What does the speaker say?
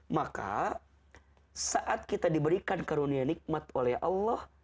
maka saat kita diberikan karunia nikmat oleh allah